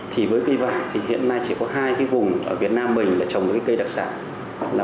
thì với cây vải thì hiện nay chỉ có hai vùng ở việt nam mình trồng cây đặc sản